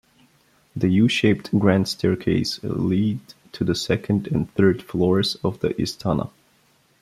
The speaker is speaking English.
The U-shaped Grand Staircase leads to the second and third floors of the Istana.